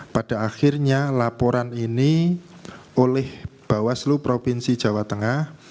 pada akhirnya laporan ini oleh bawaslu provinsi jawa tengah